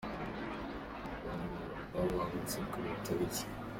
Bamwe mu batabarutse kuri iyi tariki.